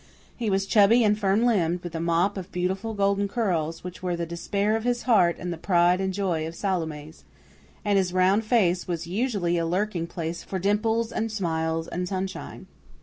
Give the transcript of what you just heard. He was chubby and firm limbed, with a mop of beautiful golden curls, which were the despair of his heart and the pride and joy of Salome's; and his round face was usually a lurking place for dimples and smiles and sunshine.